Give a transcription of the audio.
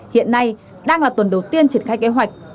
hiện nay đang là tuần đầu tiên triển khai kế hoạch